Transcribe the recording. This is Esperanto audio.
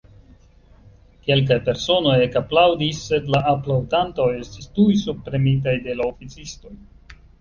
kelkaj personoj ekaplaŭdis, sed la aplaŭdantoj estis tuj subpremitaj de la oficistoj.